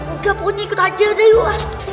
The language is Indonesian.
udah pokoknya ikut aja deh uang